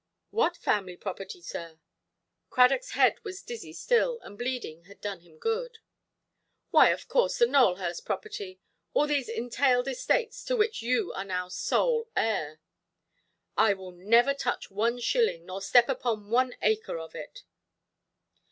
"What family property, sir"? Cradockʼs head was dizzy still, the bleeding had done him good. "Why, of course, the Nowelhurst property; all these entailed estates, to which you are now sole heir". "I will never touch one shilling, nor step upon one acre of it".